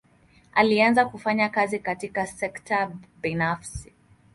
Alianza kufanya kazi katika sekta binafsi.